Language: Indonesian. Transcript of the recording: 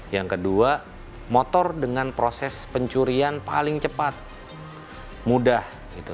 yang kedua motor dengan proses pencurian paling cepat mudah